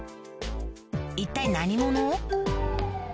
一体何者？